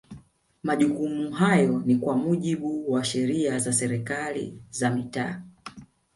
Majukumu hayo ni kwa mujibu wa Sheria za serikali za mitaa